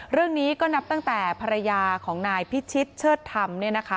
เรื่องนี้ก็นับตั้งแต่ภรรยาของนายพิชิตเชิดธรรม